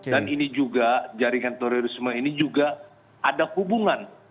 dan ini juga jaringan terorisme ini juga ada hubungan